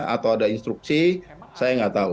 atau ada instruksi saya nggak tahu